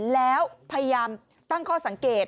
แล้วพยายามตั้งข้อสังเกต